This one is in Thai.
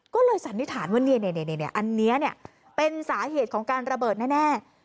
ก็เลยสันนิษฐานว่าอันนี้เป็นสาเหตุของการระเบิดแน่